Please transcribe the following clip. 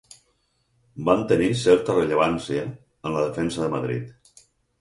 Van tenir certa rellevància en la Defensa de Madrid.